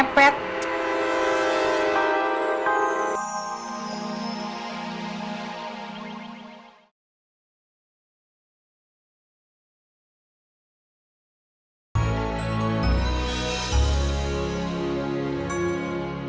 mami kayak lagi ada di kandang ayam